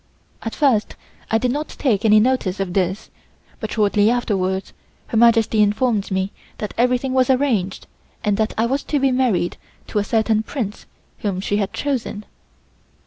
At first I did not take any notice of this, but shortly afterwards Her Majesty informed me that everything was arranged and that I was to be married to a certain Prince whom she had chosen.